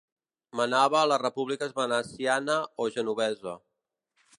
Manava a les repúbliques veneciana o genovesa.